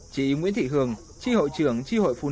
chị nguyễn thị hường tri hội trưởng tri hội phụ nữ